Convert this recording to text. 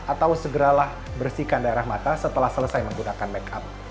atau segeralah bersihkan daerah mata setelah selesai menggunakan make up